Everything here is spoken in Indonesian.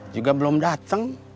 juga belum dateng